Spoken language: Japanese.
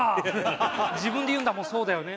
自分で言うんだもんそうだよね。